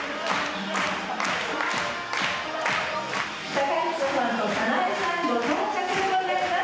公彦さんと早苗さんご到着でございます。